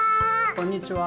こんにちは。